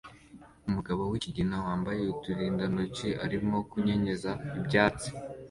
Umugabo wikigina wambaye uturindantoki arimo kunyeganyeza ibyatsi